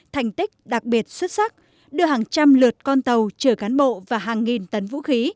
thành tích đặc biệt xuất sắc đưa hàng trăm lượt con tàu chở cán bộ và hàng nghìn tấn vũ khí